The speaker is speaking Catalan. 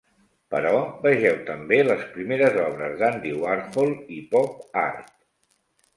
Però vegeu també les primeres obres d'Andy Warhol i pop art.